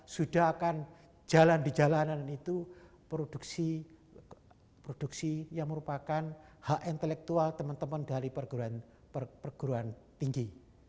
sudah akan jalan di jalanan itu produksi yang merupakan hak intelektual teman teman dari perguruan tinggi